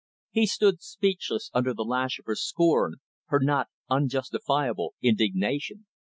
He stood speechless under the lash of her scorn, her not unjustifiable indignation.